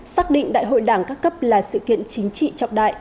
xác định đại hội đảng các cấp là sự kiện chính trị trọng đại